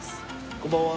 こんばんは。